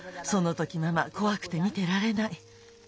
そのときママこわくて見てられない。